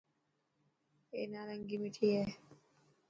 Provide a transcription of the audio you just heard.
اي نارنگي مٺي هي.